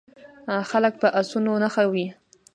خلک په اسونو نښه وي.